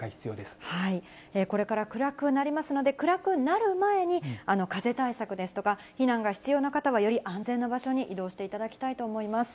これから暗くなりますので、暗くなる前に、風対策ですとか、避難が必要な方は、より安全な場所に移動していただきたいと思います。